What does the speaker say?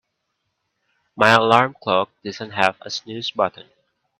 My alarm clock doesn't have a snooze button.